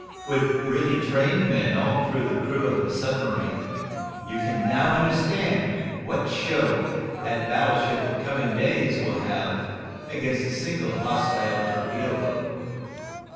With really trained men all through the crew of a submarine, you can now understand what show the battleship of coming days will have against a single hostile torpedo boat.